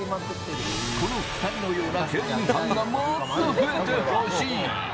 この２人のような競輪ファンがもっと増えてほしい。